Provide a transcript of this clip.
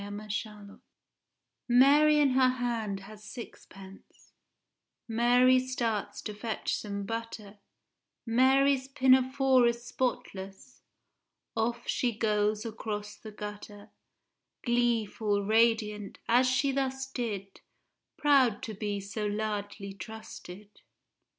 A SKETCH IN SEVEN DIALS Mary in her hand has sixpence, Mary starts to fetch some butter, Mary's pinafore is spotless, Off she goes across the gutter, Gleeful, radiant, as she thus did, Proud to be so largely trusted.